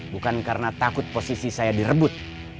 bukan karena takut posisi saya direbut